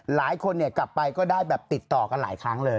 หลายคนกลับไปก็ได้แบบติดต่อกันหลายครั้งเลย